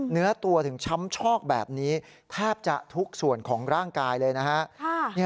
เนื้อตัวถึงช้ำชอกแบบนี้แทบจะทุกส่วนของร่างกายเลยนะฮะ